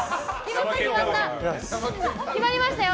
決まりましたよ！